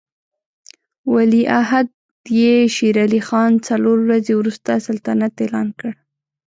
ولیعهد یې شېر علي خان څلور ورځې وروسته سلطنت اعلان کړ.